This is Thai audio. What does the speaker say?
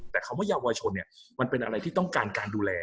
แต่คำว่าเยาวชนมันเป็นอะไรที่ต้องการการดูแล